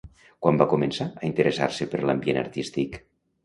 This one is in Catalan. Quan va començar a interessar-se per l'ambient artístic?